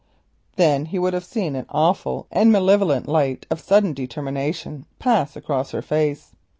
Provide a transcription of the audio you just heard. Then he would have seen an awful and malevolent light of sudden determination pass across her face.